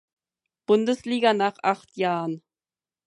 Bundesliga nach acht Jahren.